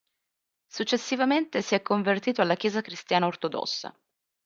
Successivamente si è convertito alla chiesa cristiana ortodossa.